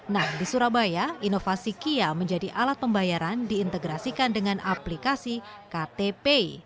nah di surabaya inovasi kia menjadi alat pembayaran diintegrasikan dengan aplikasi ktp